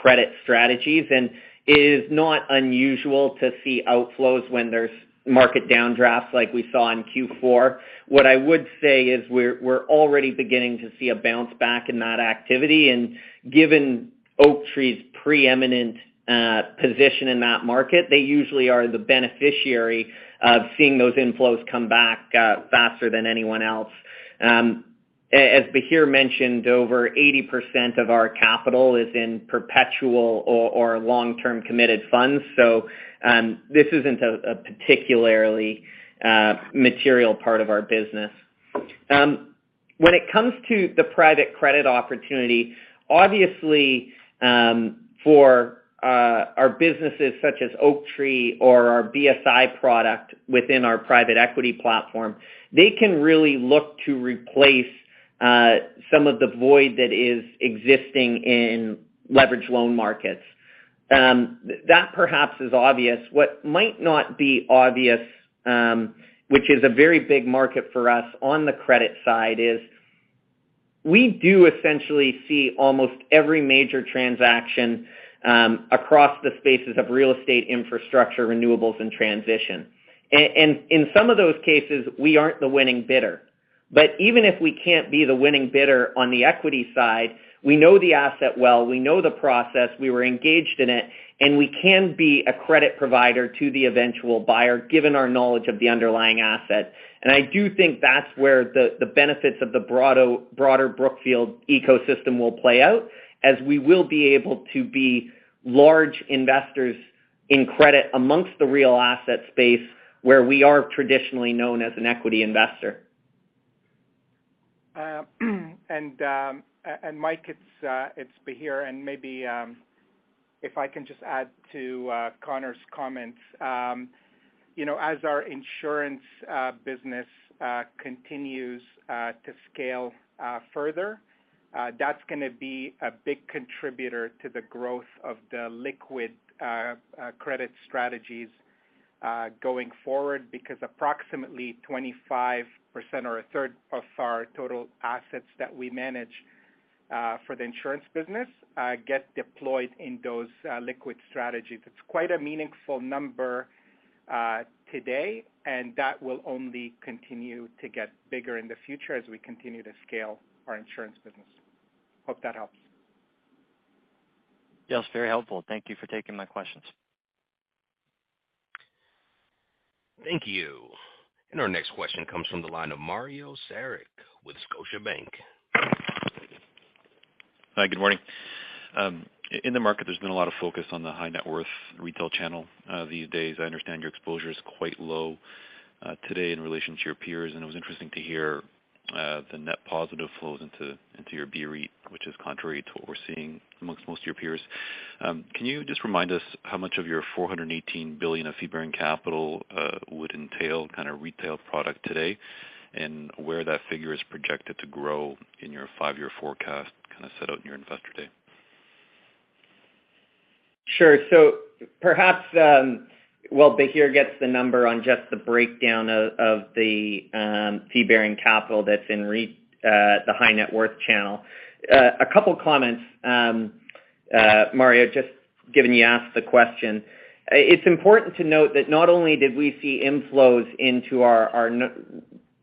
credit strategies. It is not unusual to see outflows when there's market downdrafts like we saw in Q4. What I would say is we're already beginning to see a bounce back in that activity. Given Oaktree's preeminent position in that market, they usually are the beneficiary of seeing those inflows come back faster than anyone else. As Bahir mentioned, over 80% of our capital is in perpetual or long-term committed funds, so this isn't a particularly material part of our business. When it comes to the private credit opportunity, obviously, for our businesses such as Oaktree or our BSI product within our private equity platform, they can really look to replace some of the void that is existing in leverage loan markets. That perhaps is obvious. What might not be obvious, which is a very big market for us on the credit side, is we do essentially see almost every major transaction across the spaces of real estate infrastructure, renewables, and transition. In some of those cases, we aren't the winning bidder. Even if we can't be the winning bidder on the equity side, we know the asset well, we know the process, we were engaged in it and we can be a credit provider to the eventual buyer, given our knowledge of the underlying asset. I do think that's where the benefits of the broader Brookfield ecosystem will play out, as we will be able to be large investors in credit amongst the real asset space where we are traditionally known as an equity investor. Mike, it's Bahir. Maybe, if I can just add to Connor's comments. As our insurance business continues to scale further, that's gonna be a big contributor to the growth of the liquid credit strategies going forward, because approximately 25% or a third of our total assets that we manage for the insurance business get deployed in those liquid strategies. It's quite a meaningful number today, and that will only continue to get bigger in the future as we continue to scale our insurance business. Hope that helps. Yes, very helpful. Thank you for taking my questions. Thank you. Our next question comes from the line of Mario Saric with Scotiabank. Hi, good morning. In the market, there's been a lot of focus on the high net worth retail channel these days. I understand your exposure is quite low today in relation to your peers, and it was interesting to hear the net positive flows into your B-REIT, which is contrary to what we're seeing amongst most of your peers. Can you just remind us how much of your $418 billion of fee-bearing capital would entail kinda retail product today, and where that figure is projected to grow in your five-year forecast kinda set out in your Investor Day? Sure. Perhaps, while Bahir gets the number on just the breakdown of the fee-bearing capital that's in the high net worth channel. A couple of comments, Mario, just given you asked the question. It's important to note that not only did we see inflows into our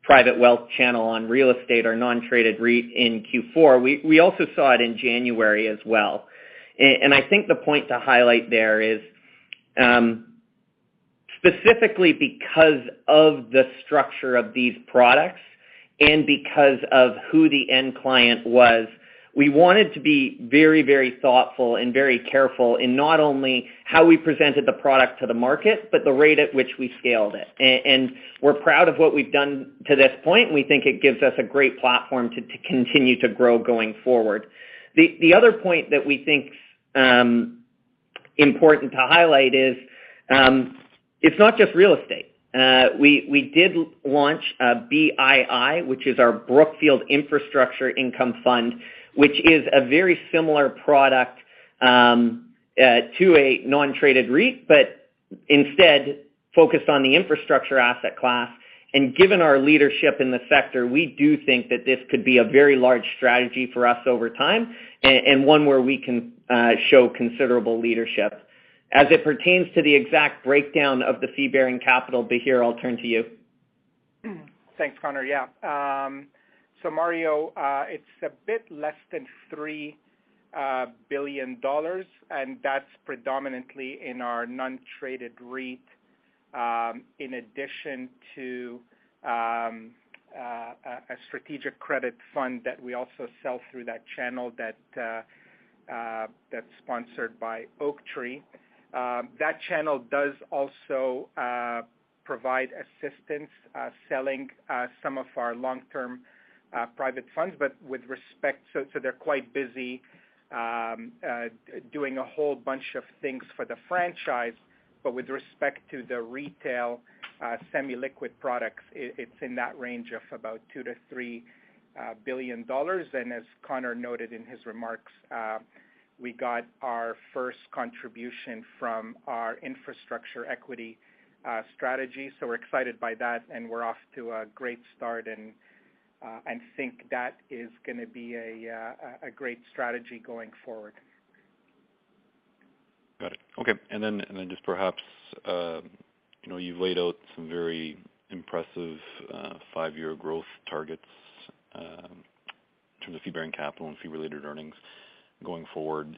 private wealth channel on real estate or non-traded REIT in Q4, we also saw it in January as well. I think the point to highlight there is specifically because of the structure of these products and because of who the end client was, we wanted to be very thoughtful and very careful in not only how we presented the product to the market, but the rate at which we scaled it. We're proud of what we've done to this point, and we think it gives us a great platform to continue to grow going forward. The other point that we think is important to highlight is it's not just real estate. We did launch a BII, which is our Brookfield Infrastructure Income Fund, which is a very similar product to a non-traded REIT, but instead focused on the infrastructure asset class. Given our leadership in the sector, we do think that this could be a very large strategy for us over time and one where we can show considerable leadership. As it pertains to the exact breakdown of the fee-bearing capital, Bahir, I'll turn to you. Thanks, Connor. Yeah. Mario, it's a bit less than $3 billion, and that's predominantly in our non-traded REIT, in addition to a strategic credit fund that we also sell through that channel that's sponsored by Oaktree. That channel does also provide assistance selling some of our long-term private funds. They're quite busy doing a whole bunch of things for the franchise. But with respect to the retail semi-liquid products, it's in that range of about $2 billion-$3 billion. As Connor noted in his remarks, we got our first contribution from our infrastructure equity strategy. We're excited by that, and we're off to a great start and think that is gonna be a great strategy going forward. Got it. Okay. Just perhaps, you've laid out some very impressive, five-year growth targets, in terms of fee-bearing capital and fee-related earnings going forward.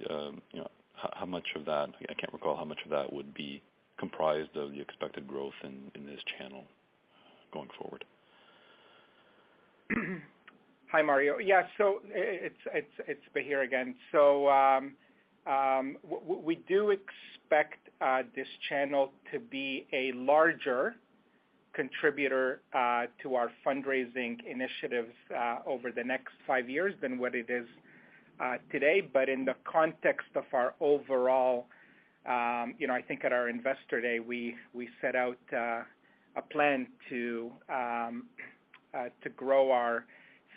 How much of that I can't recall how much of that would be comprised of the expected growth in this channel going forward? Hi, Mario. Yeah. It's Bahir again. We do expect this channel to be a larger contributor to our fundraising initiatives over the next five years than what it is today. In the context of our overall, I think at our Investor Day, we set out a plan to grow our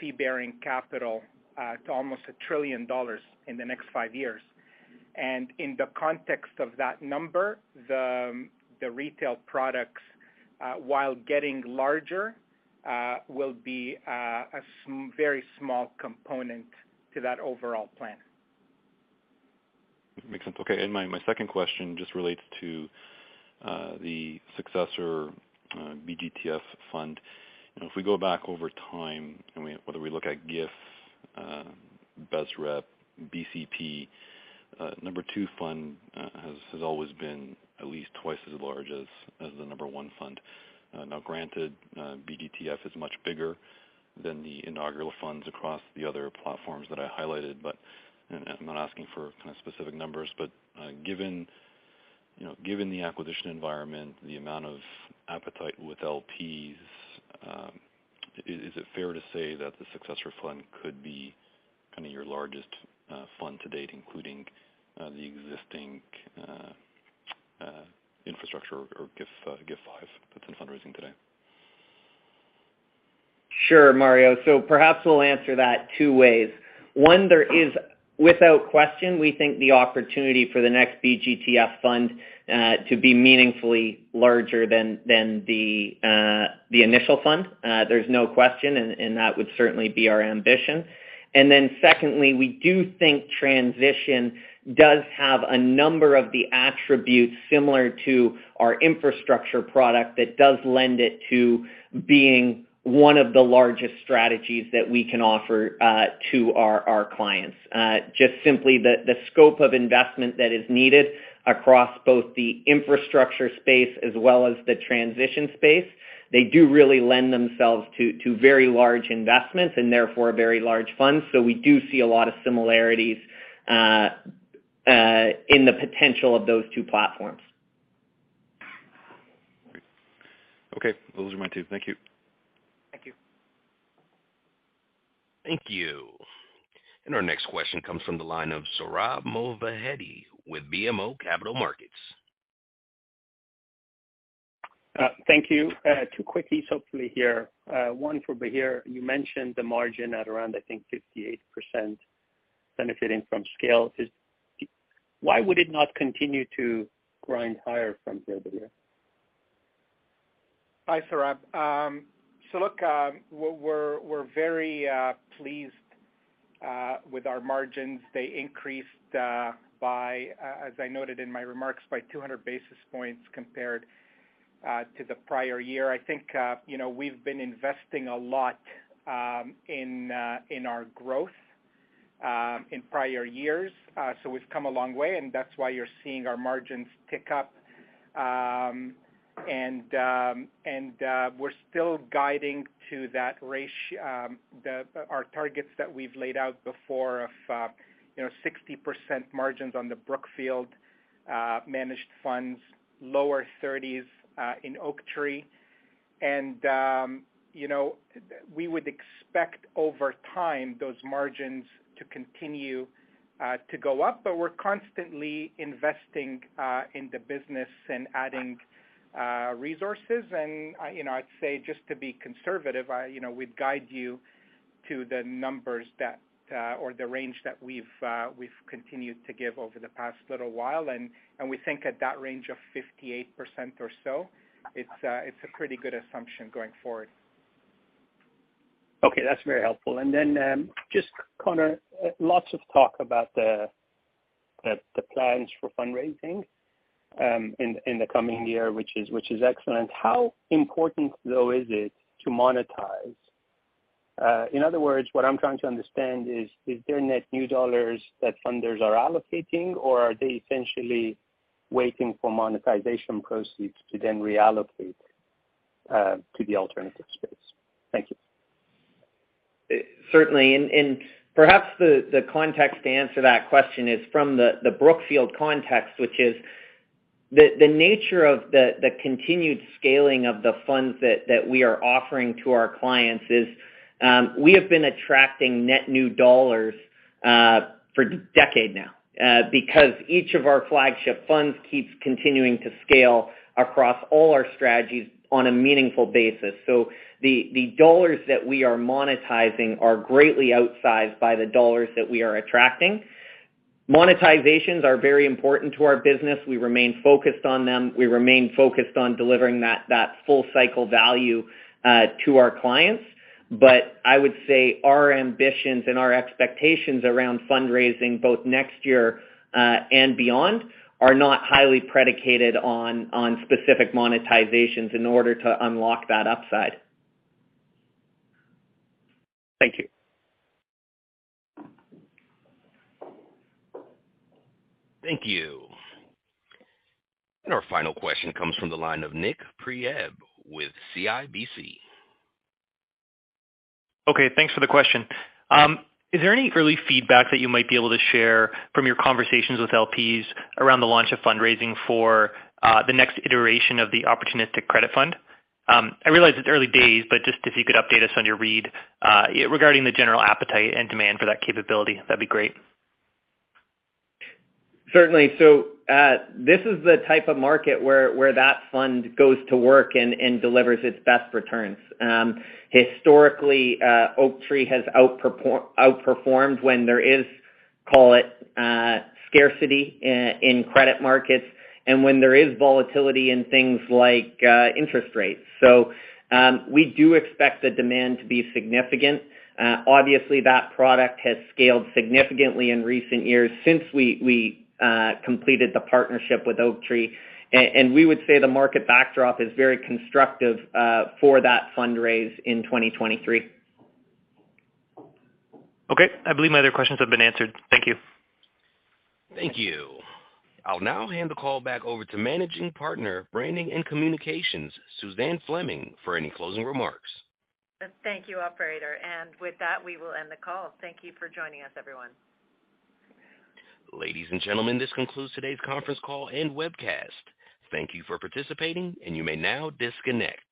fee-bearing capital to almost $1 trillion in the next five years. In the context of that number, the retail products, while getting larger, will be a very small component to that overall plan. Makes sense. Okay. My second question just relates to the successor BGTF fund. If we go back over time whether we look at GIF, BSREP, BCP, number two fund has always been at least twice as large as the number one fund. Now granted, BGTF is much bigger than the inaugural funds across the other platforms that I highlighted, I'm not asking for kind of specific numbers. Given the acquisition environment, the amount of appetite with LPs, is it fair to say that the successor fund could be kind of your largest fund to date, including the existing infrastructure or GIF, BIF V that's in fundraising today? Sure, Mario. Perhaps we'll answer that two ways. One, there is, without question, we think the opportunity for the next BGTF fund to be meaningfully larger than the initial fund. There's no question. That would certainly be our ambition. Secondly, we do think transition does have a number of the attributes similar to our infrastructure product that does lend it to being one of the largest strategies that we can offer to our clients. Just simply the scope of investment that is needed across both the infrastructure space as well as the transition space. They do really lend themselves to very large investments and therefore very large funds. We do see a lot of similarities in the potential of those two platforms. Great. Okay, those are my two. Thank you. Thank you. Thank you. Our next question comes from the line of Sohrab Movahedi with BMO Capital Markets. Thank you. Two quickies, hopefully here. One for Bahir. You mentioned the margin at around, I think, 58% benefiting from scale. Why would it not continue to grind higher from here, Bahir? Hi, Sohrab. Look, we're very pleased with our margins. They increased by, as I noted in my remarks, by 200 basis points compared to the prior year. I think, we've been investing a lot in our growth in prior years. We've come a long way, and that's why you're seeing our margins tick up. We're still guiding to that ratio, our targets that we've laid out before of, 60% margins on the Brookfield managed funds, lower 30s in Oaktree would expect over time those margins to continue to go up, but we're constantly investing in the business and adding resources. I'd say just to be conservative, I, we'd guide you to the numbers that or the range that we've continued to give over the past little while. We think at that range of 58% or so, it's a pretty good assumption going forward. Okay. That's very helpful. And then, just Connor, lots of talk about the plans for fundraising, in the coming year, which is, which is excellent. How important, though, is it to monetize? In other words, what I'm trying to understand is there net new dollars that funders are allocating, or are they essentially waiting for monetization proceeds to then reallocate, to the alternative space. Thank you. Certainly. Perhaps the context to answer that question is from the Brookfield context, which is the nature of the continued scaling of the funds that we are offering to our clients is, we have been attracting net new dollars for decade now, because each of our flagship funds keeps continuing to scale across all our strategies on a meaningful basis. The dollars that we are monetizing are greatly outsized by the dollars that we are attracting. Monetizations are very important to our business. We remain focused on them. We remain focused on delivering that full cycle value to our clients. I would say our ambitions and our expectations around fundraising both next year and beyond, are not highly predicated on specific monetizations in order to unlock that upside. Thank you. Thank you. Our final question comes from the line of Nik Priebe with CIBC. Okay, thanks for the question. Is there any early feedback that you might be able to share from your conversations with LPs around the launch of fundraising for the next iteration of the opportunistic credit fund? I realize it's early days, but just if you could update us on your read regarding the general appetite and demand for that capability, that'd be great. Certainly. This is the type of market where that fund goes to work and delivers its best returns. Historically, Oaktree has outperformed when there is, call it, scarcity in credit markets and when there is volatility in things like interest rates. We do expect the demand to be significant. Obviously that product has scaled significantly in recent years since we completed the partnership with Oaktree. We would say the market backdrop is very constructive for that fundraise in 2023. Okay. I believe my other questions have been answered. Thank you. Thank you. I'll now hand the call back over to Managing Partner, Branding & Communications, Suzanne Fleming, for any closing remarks. Thank you, operator. With that, we will end the call. Thank you for joining us, everyone. Ladies and gentlemen, this concludes today's conference call and webcast. Thank you for participating, and you may now disconnect.